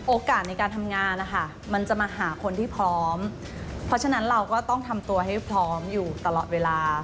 โอกาสในการทำงานนะคะมันจะมาหาคนที่พร้อมเพราะฉะนั้นเราก็ต้องทำตัวให้พร้อมอยู่ตลอดเวลา